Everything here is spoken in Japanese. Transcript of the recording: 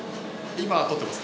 今撮ってます？